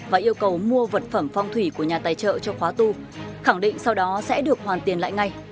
và yêu cầu mua vật phẩm phong thủy của nhà tài trợ cho khóa tu khẳng định sau đó sẽ được hoàn tiền lại ngay